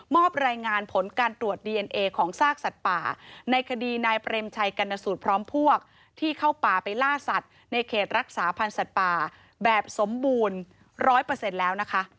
อบรายงานผลการตรวจดีเอ็นเอของซากสัตว์ป่าในคดีนายเปรมชัยกรรณสูตรพร้อมพวกที่เข้าป่าไปล่าสัตว์ในเขตรักษาพันธ์สัตว์ป่าแบบสมบูรณ์๑๐๐แล้วนะคะ